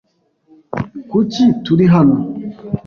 Kuki turi hano?